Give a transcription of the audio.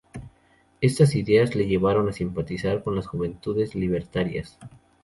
Estas ideas le llevaron a simpatizar con las Juventudes Libertarias.